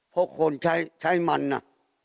พวกคนใช้มันน่ะ